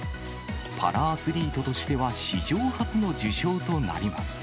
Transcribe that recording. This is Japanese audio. パラアスリートとしては史上初の受賞となります。